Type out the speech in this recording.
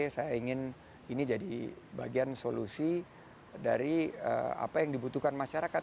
saya ingin ini jadi bagian solusi dari apa yang dibutuhkan masyarakat